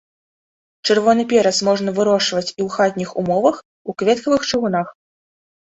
Чырвоны перац можна вырошчваць і ў хатніх умовах у кветкавых чыгунах.